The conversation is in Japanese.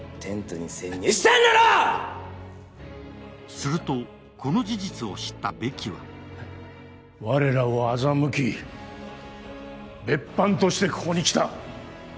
すると、この事実を知ったベキは我らを欺き、別班としてここに来た。